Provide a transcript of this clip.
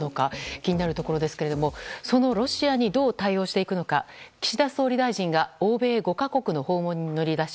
気になるところですがそのロシアにどう対応していくのか岸田総理大臣が欧米５か国の訪問に乗り出し